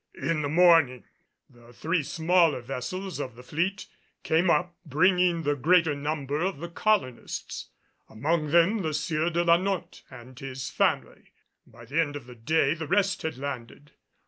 In the morning the three smaller vessels of the fleet came up, bringing the greater number of the colonists, among them the Sieur de la Notte and his family, and by the end of the day the rest had landed.